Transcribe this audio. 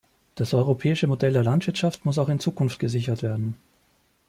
Das europäische Modell der Landwirtschaft muss auch in Zukunft gesichert werden.